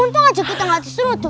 untung aja kita nggak disuruh tuh